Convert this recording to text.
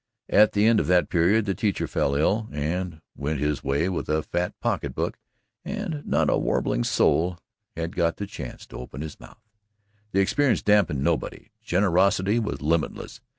At the end of that period, the teacher fell ill and went his way with a fat pocket book and not a warbling soul had got the chance to open his mouth. The experience dampened nobody. Generosity was limitless.